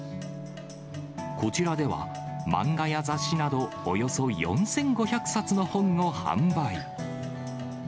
こちらでは、マンガや雑誌などおよそ４５００冊の本を販売。